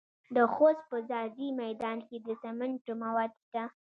د خوست په ځاځي میدان کې د سمنټو مواد شته.